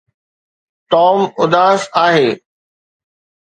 Tom اداس آهي.